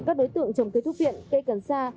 các đối tượng trồng cây thuốc viện cây cần sa